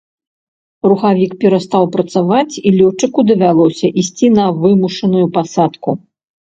Рухавік перастаў працаваць і лётчыку давялося ісці на вымушаную пасадку.